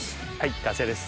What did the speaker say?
完成です。